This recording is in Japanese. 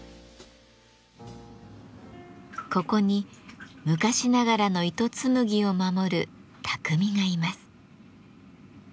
ここに昔ながらの糸紡ぎを守る匠がいます。